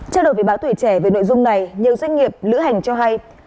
trao đổi với báo tuổi trẻ về nội dung này nhiều doanh nghiệp lữ hành cho hay